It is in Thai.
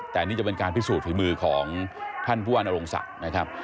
แต่นี่จะเป็นการพิสูจนฝีมือของท่านผู้ว่านโรงศักดิ์นะครับ